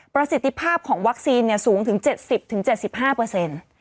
ประสิทธิภาพของวัคซีนสูงถึง๗๐๗๕เปอร์เซ็นต์